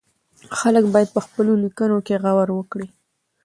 خلک بايد په خپلو ليکنو کې غور وکړي.